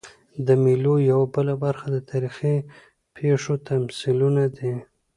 د مېلو یوه بله برخه د تاریخي پېښو تمثیلونه دي.